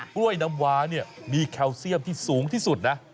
กล้วยน้ำว้าเนี่ยมีแคลเซียมที่สูงที่สุดนะ